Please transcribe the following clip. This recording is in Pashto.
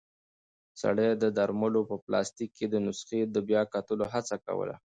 سړی د درملو په پلاستیک کې د نسخې د بیا کتلو هڅه کوله.